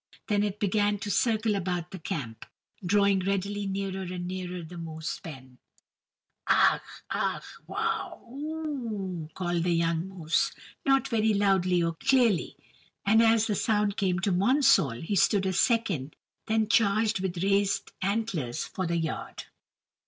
Then it began to circle about the camp, drawing steadily nearer and nearer the moose pen. "Ugh ugh, waugh, oo," called the young moose, not very loudly or clearly, and as the sound came to Monsall he stood a second, then charged with raised antlers for the yard.